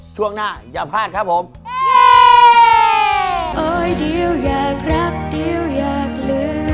ช่วงหน้าอย่าพลาดครับผม